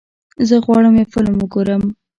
زه غواړم یو فلم وګورم.